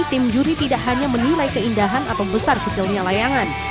tim juri tidak hanya menilai keindahan atau besar kecilnya layangan